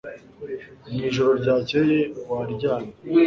mwijoro ryakeye waryamye